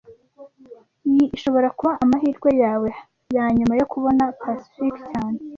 Iyi ishobora kuba amahirwe yawe yanyuma yo kubona Pacifique cyane